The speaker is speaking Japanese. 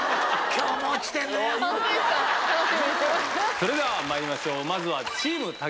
それではまいりましょうまずは。